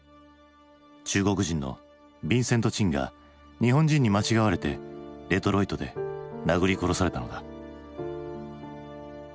中国人のビンセント・チンが日本人に間違われてデトロイトで殴り殺されたのだ。